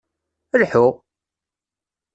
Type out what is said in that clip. Lḥu!